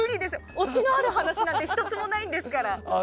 オチのある話なんて１つもないんですから。